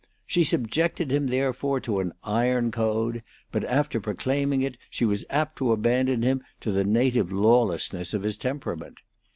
She subjected him, therefore, to an iron code, but after proclaiming it she was apt to abandon him to the native lawlessness of his temperament.